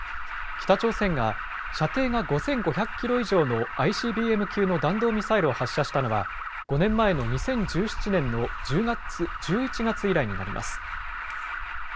北朝鮮が、射程が５５００キロ以上のＩＣＢＭ級の弾道ミサイルを発射したのは、５年前の２０１７年の１１月以来になります。